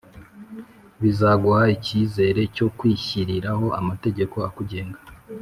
bizaguha icyizere cyo kwishyiriraho amategeko akugenga.